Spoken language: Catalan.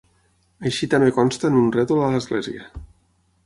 Així també consta en un rètol a l'església.